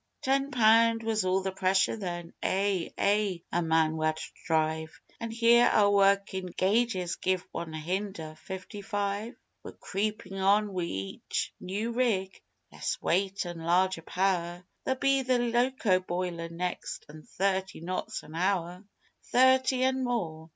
Ten pound was all the pressure then Eh! Eh! a man wad drive; An' here, our workin' gauges give one hunder' fifty five! We're creepin' on wi' each new rig less weight an' larger power: There'll be the loco boiler next an' thirty knots an hour! Thirty an' more.